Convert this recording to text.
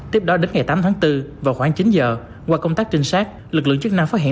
tiếp đó đến ngày tám tháng bốn vào khoảng chín giờ qua công tác trinh sát lực lượng chức năng phát hiện